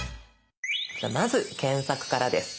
じゃあまず検索からです。